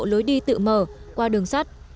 lối đi tự mở qua đường sắt